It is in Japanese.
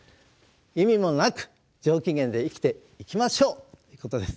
意味もなく上機嫌で生きていきましょうということです。